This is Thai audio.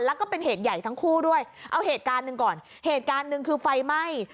แล้วก็เป็นเหตุใหญ่ทั้งคู่ด้วยเอาเหตุการณ์หนึ่งก่อนเหตุการณ์หนึ่งคือไฟไหม้